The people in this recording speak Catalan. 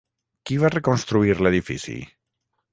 Qui va reconstruir l'edifici?